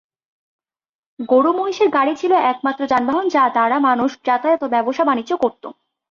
গরু-মহিষের গাড়ী ছিল একমাত্র যানবাহন যা দ্বারা মানুষ যাতায়াত ও ব্যবসা-বাণিজ্য করত।